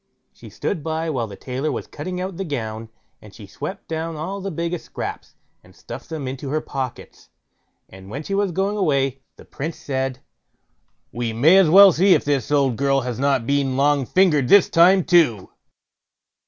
She stood by while the tailor was cutting out the gown, and she swept down all the biggest scraps, and stuffed them into her pockets; and when she was going away, the Prince said: "We may as well see if this old girl has not been long fingered this time too."